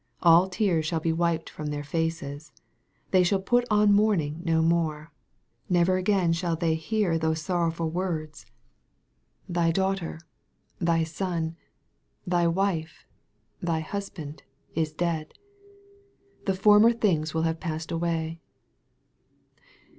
All tears shall be wiped from their faces. They shall put on mourning no more. Never again shall they hear those sorrowful words, "thy daughter thy son thv MARK, CHAP. V. 105 wife thy husband is dead." The former things will have passed away.